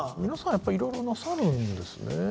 やっぱりいろいろなさるんですね。